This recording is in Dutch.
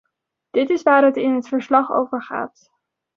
Dit is waar het in het verslag over gaat.